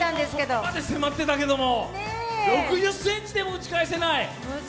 ここまで迫ってたけども６０ｃｍでも打ち返せない。